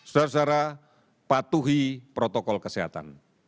saudara saudara patuhi protokol kesehatan